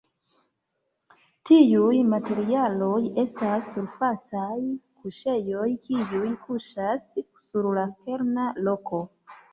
Tiuj materialoj estas surfacaj kuŝejoj kiuj kuŝas sur la kerna roko.